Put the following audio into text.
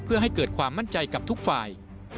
เพื่อให้เกิดความมั่นใจกับทุกฝ่าย